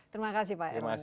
terima kasih pak erlangga